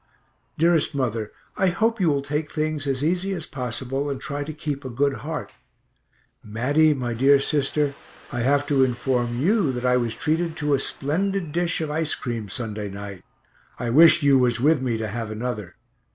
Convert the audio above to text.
Dearest Mother, I hope you will take things as easy as possible and try to keep a good heart. Matty, my dear sister, I have to inform you that I was treated to a splendid dish of ice cream Sunday night; I wished you was with me to have another.